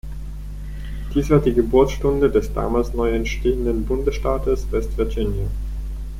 Dies war die Geburtsstunde des damals neu entstehenden Bundesstaates West Virginia.